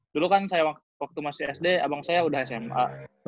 dulu kan saya waktu masih sd abang saya udah sma